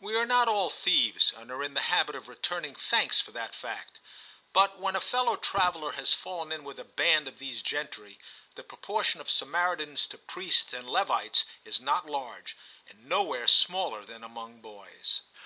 We are not all thieves, and are in the habit of returning thanks for that fact, but when a fellow traveller has fallen in with a band of these gentry, the proportion of Samaritans to priests and Levites is not large, and nowhere smaller than among boys.